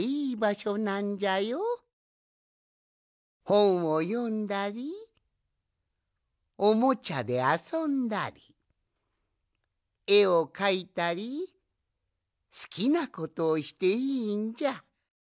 ほんをよんだりおもちゃであそんだりえをかいたりすきなことをしていいんじゃ。